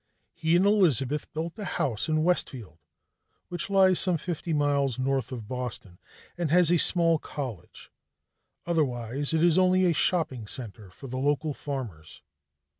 He and Elizabeth built a house in Westfield, which lies some fifty miles north of Boston and has a small college otherwise it is only a shopping center for the local farmers.